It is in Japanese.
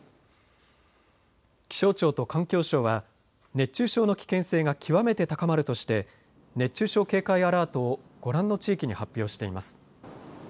気象庁と環境省は熱中症の危険性が極めて高まるとして熱中症警戒アラートをご覧の地域に発表しています。